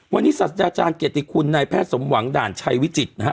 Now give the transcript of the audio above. วันนี้ศาสตราจารย์เกียรติคุณนายแพทย์สมหวังด่านชัยวิจิตรนะฮะ